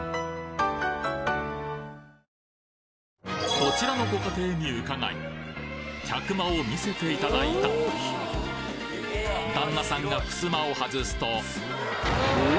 こちらのご家庭に伺い客間を見せていただいた旦那さんがふすまをはずすとおお！